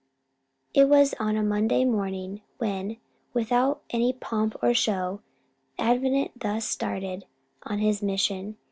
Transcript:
It was on a Monday morning when, without any pomp or show, Avenant thus started on his mission.